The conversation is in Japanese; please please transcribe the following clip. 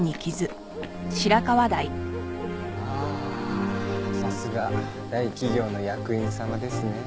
ああさすが大企業の役員様ですね。